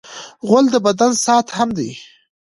غول د بدن ساعت هم دی.